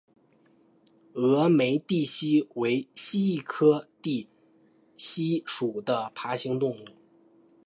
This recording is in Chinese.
峨眉地蜥为蜥蜴科地蜥属的爬行动物。